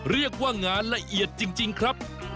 เรียกว่างานละเอียดจริงครับ